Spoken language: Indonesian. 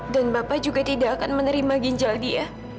dan bapak juga tidak akan menerima kinjal dia